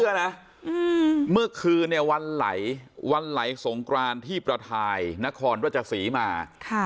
เมื่อคืนเนี่ยวันไหลวันไหลสงกรานที่ประทายนครราชศรีมา